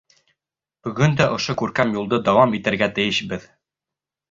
Бөгөн дә ошо күркәм юлды дауам итергә тейешбеҙ.